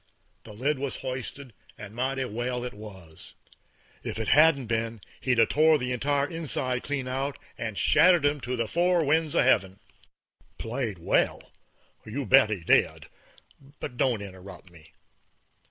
The lid was hoisted, and mighty well it was. If it hadn't been, he'd 'a' tore the entire inside clean out and shattered 'em to the four winds of heaven. Played well? You bet he did; but don't interrupt me.